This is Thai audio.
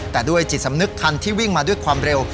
แต่ด้วยจิตสำนึกคันที่วิ่งมาด้วยความเร็ว